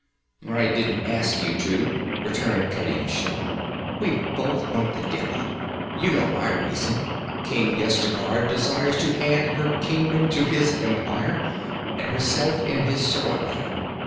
'I don't ask you to,' returned Kerim Shah. 'We both want the Devi. You know my reason; King Yezdigerd desires to add her kingdom to his empire, and herself in his seraglio.